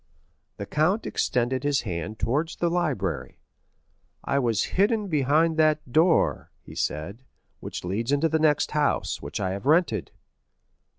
The count extended his hand towards the library. "I was hidden behind that door," he said, "which leads into the next house, which I have rented."